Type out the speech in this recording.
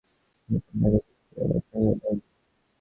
বিভা দাঁড়াইয়া চুপ করিয়া চাহিয়া রহিল।